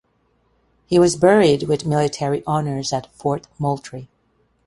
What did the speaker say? He was buried with military honors at Fort Moultrie.